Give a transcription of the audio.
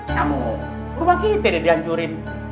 kamu lu bagitah dia dihancurin